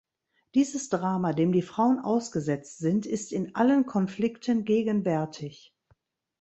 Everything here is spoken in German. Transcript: Dieses Drama, dem die Frauen ausgesetzt sind, ist in allen Konflikten gegenwärtig.